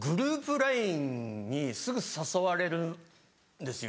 ＬＩＮＥにすぐ誘われるんですよ。